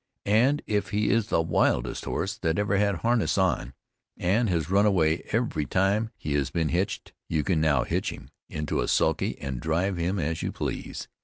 And if he is the wildest horse that ever had harness on, and has run away every time he has been hitched, you can now hitch him in a sulky and drive him as you please.